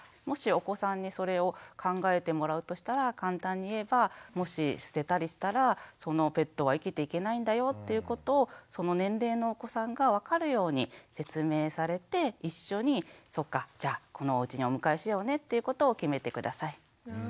もしお子さんにそれを考えてもらうとしたら簡単に言えばもし捨てたりしたらそのペットは生きていけないんだよっていうことをその年齢のお子さんが分かるように説明されて一緒に「そっかじゃあこのおうちにお迎えしようね」っていうことを決めて下さい。